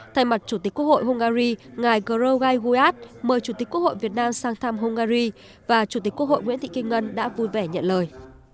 thay mặt chủ tịch quốc hội hungary ngài grouai guad mời chủ tịch quốc hội việt nam sang thăm hungary và chủ tịch quốc hội nguyễn thị kim ngân đã vui vẻ nhận lời